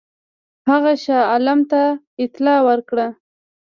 هغه شاه عالم ته اطلاع ورکړه.